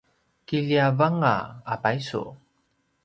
kiliavanga a paysu